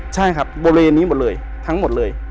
ใช่ครับบริเวณนี้หมดเลยทั้งหมดเลย